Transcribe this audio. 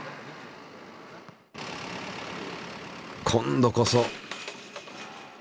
今度こそ！